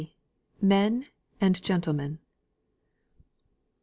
MEN AND GENTLEMEN.